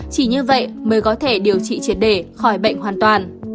chỉ như vậy mới có thể điều trị triệt để khỏi bệnh hoàn toàn